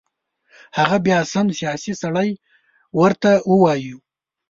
هغه بیا سم سیاسي سړی ورته ووایو.